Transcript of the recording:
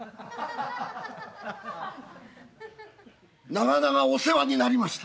「長々お世話になりました。